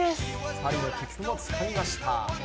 パリの切符もつかみました。